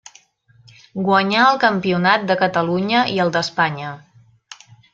Guanyà el campionat de Catalunya i el d'Espanya.